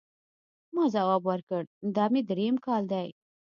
ما ځواب ورکړ، دا مې درېیم کال دی.